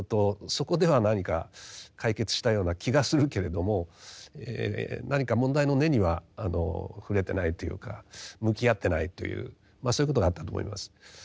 そこでは何か解決したような気がするけれども何か問題の根には触れてないというか向き合ってないというそういうことがあったと思います。